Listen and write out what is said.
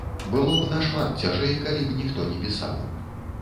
Было б нашмат цяжэй, калі б ніхто не пісаў.